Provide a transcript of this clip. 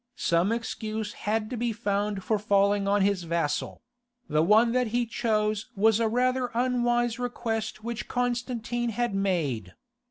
Some excuse had to be found for falling on his vassal: the one that he chose was a rather unwise request which Constantine had made.